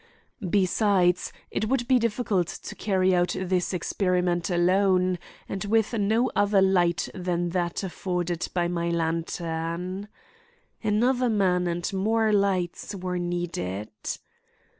Besides, it would be difficult to carry out this experiment alone, and with no other light than that afforded by my lantern. Another man and more lights were needed.